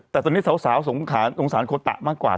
แต่ตอนนี้สาวสงสารโคตะมากกว่า